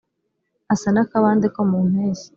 asa n’akabande ko mu mpeshyi